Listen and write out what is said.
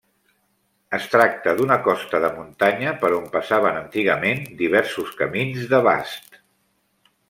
Es tracta d'una costa de muntanya per on passaven antigament diversos camins de bast.